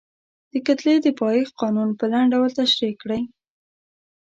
د کتلې د پایښت قانون په لنډ ډول تشریح کړئ.